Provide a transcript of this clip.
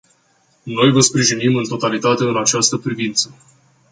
Noi vă sprijinim în totalitate în această privință.